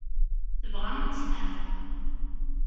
Tebɣa ad testaɛfu.